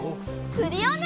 クリオネ！